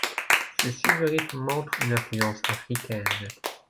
Ce style de rythme montre une influence africaine.